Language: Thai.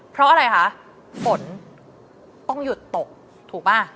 เพราะอะไรคะฝนต้องหยุดตกถูกป่ะ